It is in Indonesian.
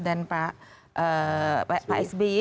dan pak sby